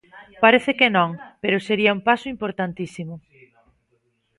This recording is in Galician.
Parece que non, pero sería un paso importantísimo.